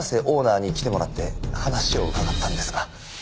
オーナーに来てもらって話を伺ったんですが。